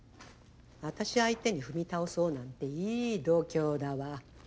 私相手に踏み倒そうなんていい度胸だわ。